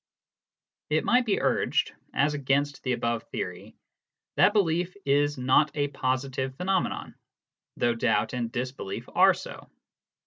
33 It might be urged, as against the above theory, that belief is not a positive phenomenon, though doubt and disbelief are so.